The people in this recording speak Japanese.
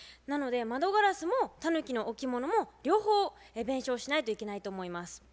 なので窓ガラスもたぬきの置物も両方弁償しないといけないと思います。